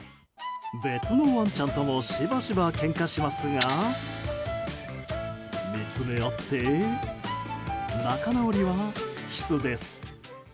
別のワンちゃんともしばしばけんかしますが見つめ合って仲直りはキスです。